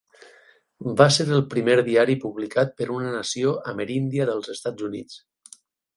Va ser el primer diari publicat per una nació ameríndia dels Estats Units.